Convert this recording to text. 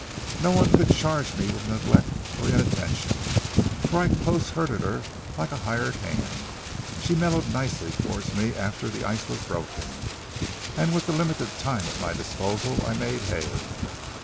No one could charge me with neglect or inattention, for I close herded her like a hired hand. She mellowed nicely towards me after the ice was broken, and with the limited time at my disposal, I made hay.